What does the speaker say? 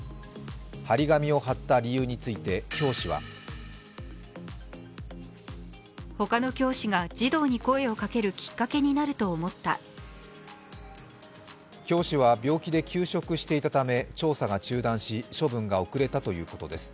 貼り紙を貼った理由について教師は教師は病気で休職していたため調査が中断し、処分が遅れたということです。